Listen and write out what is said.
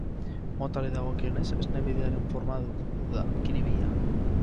Motari dagokionez, Esne Bidearen forma du, hau da, kiribila.